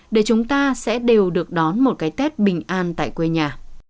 để chúng ta sẽ đều được đón một cái tết bình an tại quê nhà